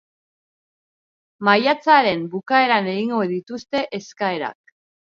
Maiatzaren bukaeran egingo dituzte eskaerak.